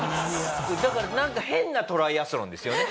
だからなんか変なトライアスロンですよね。